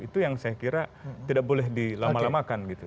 itu yang saya kira tidak boleh dilamakan gitu